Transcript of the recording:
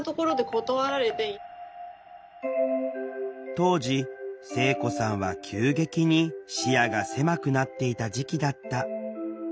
当時聖子さんは急激に視野が狭くなっていた時期だった。